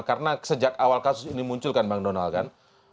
karena sejak awal kasus ini muncul kan bang donald kan